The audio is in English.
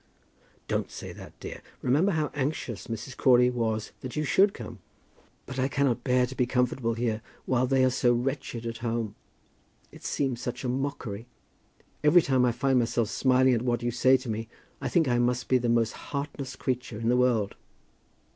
"Don't say that, dear. Remember how anxious Mrs. Crawley was that you should come." "But I cannot bear to be comfortable here while they are so wretched at home. It seems such a mockery. Every time I find myself smiling at what you say to me, I think I must be the most heartless creature in the world."